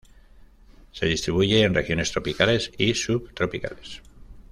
Se distribuye en regiones tropicales y sub-tropicales.